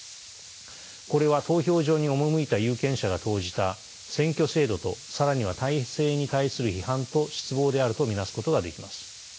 これは投票所に赴いた有権者が投じた選挙制度と更には体制に対する批判と失望であると見なすことができます。